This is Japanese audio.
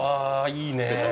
いいねぇ。